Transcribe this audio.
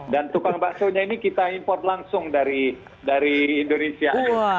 dan tukang baksonya ini kita import langsung dari indonesia